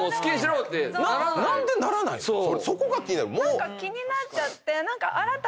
何か気になっちゃって。